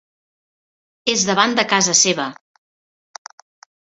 És davant de casa seva.